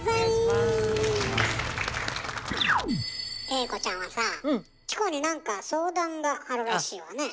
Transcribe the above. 栄子ちゃんはさあチコになんか相談があるらしいわね。